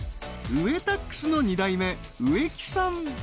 ウエタックスの２代目植木さん